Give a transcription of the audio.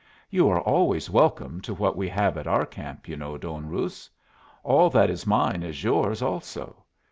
"You are always welcome to what we have at our camp, you know, Don Ruz. All that is mine is yours also.